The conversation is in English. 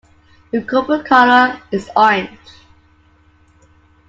The corporate colour is orange.